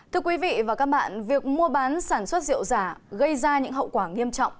thưa quý vị và các bạn việc mua bán sản xuất rượu giả gây ra những hậu quả nghiêm trọng